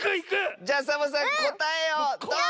じゃあサボさんこたえをどうぞ！